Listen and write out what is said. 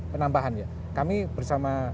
penambahan ya kami bersama